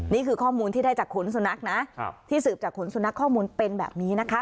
นี่คือข้อมูลที่ได้จากขนสุนัขนะที่สืบจากขนสุนัขข้อมูลเป็นแบบนี้นะคะ